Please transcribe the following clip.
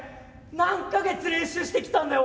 何か月練習してきたんだよ